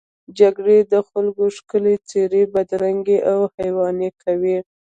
جګړه د خلکو ښکلې څېرې بدرنګوي او حیواني کوي